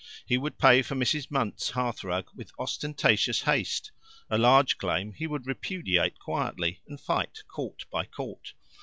He would pay for Mrs. Munt's hearth rug with ostentatious haste, a large claim he would repudiate quietly, and fight court by court.